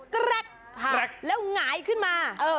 แกรกแล้วหงายขึ้นมา